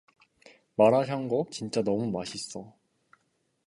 마라샹궈 진짜 너무 맛있어.